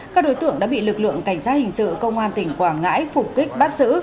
các đối tượng đã bị lực lượng cảnh sát hình sự công an tỉnh quảng ngãi phục kích bắt giữ